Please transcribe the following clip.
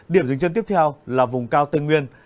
điểm dừng chân tiếp theo là vùng cao tây nguyên